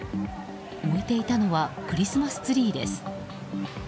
燃えていたのはクリスマスツリーです。